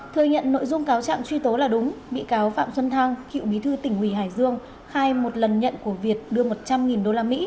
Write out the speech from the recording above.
thừa nhận nội dung cáo trạng truy tố là đúng bị cáo phạm xuân thăng cựu bí thư tỉnh ủy hải dương khai một lần nhận của việt đưa một trăm linh usd